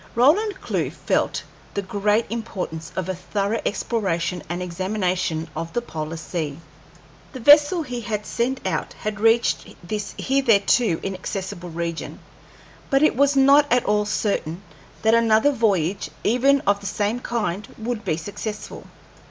Roland Clewe felt the great importance of a thorough exploration and examination of the polar sea. The vessel he had sent out had reached this hitherto inaccessible region, but it was not at all certain that another voyage, even of the same kind, would be successful.